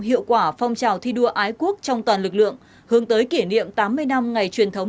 hiệu quả phong trào thi đua ái quốc trong toàn lực lượng hướng tới kỷ niệm tám mươi năm ngày truyền thống